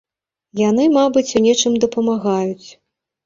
Яны, мабыць, у нечым дапамагаюць.